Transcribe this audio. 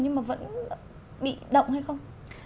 nhưng mà vẫn bị động hay không